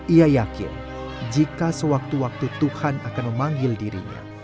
ia yakin jika sewaktu waktu tuhan akan memanggil dirinya